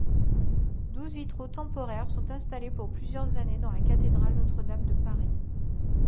Douze vitraux temporaires sont installés pour plusieurs années dans la cathédrale Notre-Dame de Paris.